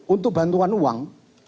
untuk bantuan uang